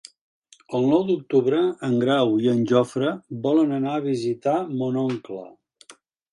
El nou d'octubre en Grau i en Jofre volen anar a visitar mon oncle.